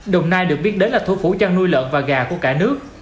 đồng nai được biết đến là thủ phủ chăn nuôi lợn và gà của cả nước